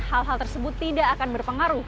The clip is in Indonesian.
hal hal tersebut tidak akan berpengaruh